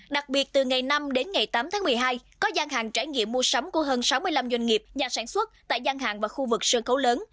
đặc biệt từ ngày năm đến ngày tám tháng một mươi hai có gian hàng trải nghiệm mua sắm của hơn sáu mươi năm doanh nghiệp nhà sản xuất tại gian hàng và khu vực sân khấu lớn